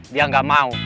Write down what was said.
dia gak mau